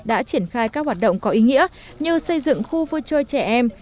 đã triển khai các hoạt động có ý nghĩa như xây dựng khu vui chơi trẻ em